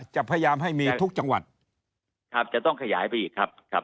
จะพยายามให้มีทุกจังหวัดครับจะต้องขยายไปอีกครับ